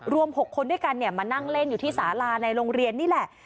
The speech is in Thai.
รวม๖คนด้วยกันมานั่งเล่นอยู่ที่สาลาในโรงเรียนนี่แหละ